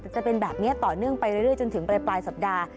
จะเป็นแบบนี้ต่อเนื่องไปเรื่อยจนถึงปลายสัปดาห์